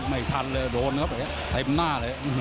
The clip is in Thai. ไม่ทันเลยโดนครับใจกว่า